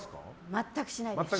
全くしないです。